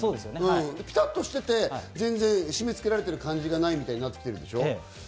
ピタっとしてて締め付けられてる感じがないみたいになってきてるでしょ？